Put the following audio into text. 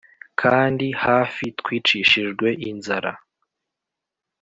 kandi hafi twicishijwe inzara.